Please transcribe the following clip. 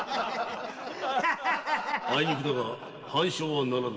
・あいにくだが半鐘は鳴らぬ。